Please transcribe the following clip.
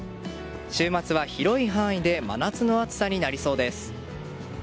週末は広い範囲で真夏の暑さになりそうです。